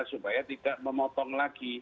supaya tidak memotong lagi